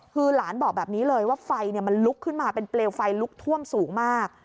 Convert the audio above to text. คือหลานบอกแบบนี้เลยว่าไฟมันลุกขึ้นมาเป็นเปลวไฟลุกท่วมสูงมาก